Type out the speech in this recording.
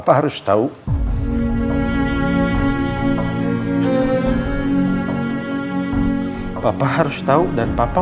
pak ada apa apa